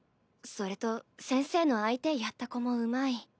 それと先生の相手やった子もうまい。